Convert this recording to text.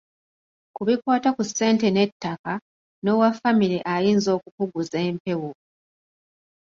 Ku bikwata ku ssente n’ettaka, n’owa ffamire ayinza okukuguza empewo.